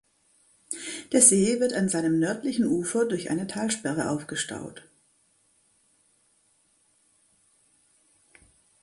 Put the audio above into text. Der See wird an seinem nördlichen Ufer durch eine Talsperre aufgestaut.